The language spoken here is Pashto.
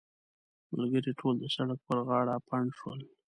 ملګري ټول د سړک پر غاړه پنډ شول.